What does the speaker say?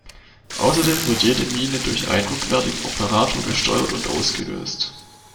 Außerdem wird jede Mine durch einen rückwärtigen Operator gesteuert und ausgelöst.